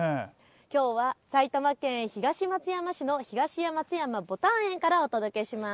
きょうは埼玉県東松山市の東松山ぼたん園からお届けします。